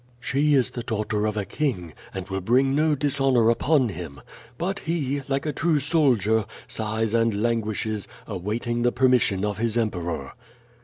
She is the daughter of a king, and will bring no dis honor upon him. But he, like a true soldier, sighs and lan guishes, awaiting the permission of his Emperor.'